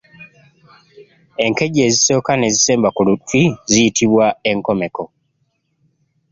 Enkejje ezisooka n’ezisemba ku luti ziyitbwa enkomeko.